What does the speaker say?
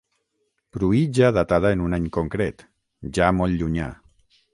Pruïja datada en un any en concret, ja molt llunyà.